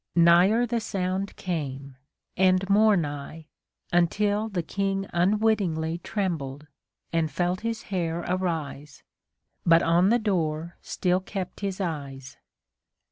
Nigher the sound came, and more nigh, Until the King unwittingly Trembled, and felt his hair arise. But on the door still kept his eyes.